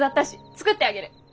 作ってあげる。